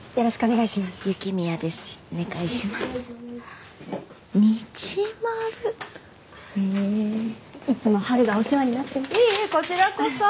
いえいえこちらこそ。